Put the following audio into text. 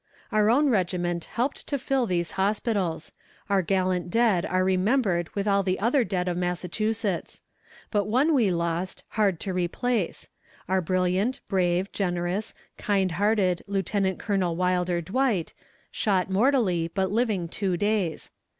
"Our own regiment helped to fill these hospitals. Our gallant dead are remembered with all the other dead of Massachusetts. But one we lost, hard to replace: Our brilliant, brave, generous, kind hearted Lieut. Colonel Wilder Dwight, shot mortally, but living two days.